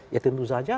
ya tentu saja